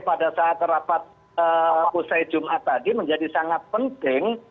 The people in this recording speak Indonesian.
pada saat rapat usai jumat tadi menjadi sangat penting